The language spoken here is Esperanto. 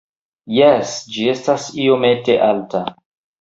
Jes ĝi estas iomete alta